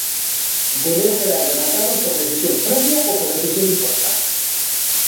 Debeu quedar rematado por decisión propia ou por decisión imposta.